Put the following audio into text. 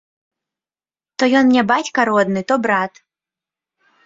То ён мне бацька родны, то брат!